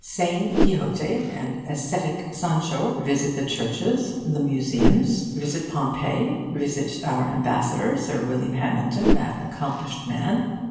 Sane Quixote and aesthetic Sancho visit the churches, the museums; visit Pompeii; visit our Ambassador, Sir William Hamilton, that accomplished man.